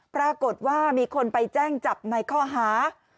ปรากฏว่ามีคนไปแจ้งจับในข้อหา